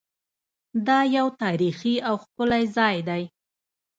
دا یو تاریخي او ښکلی ځای دی.